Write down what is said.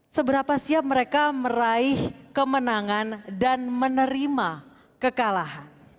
seberapa siap mereka meraih kemenangan dan menerima kekalahan